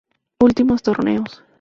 Últimos torneos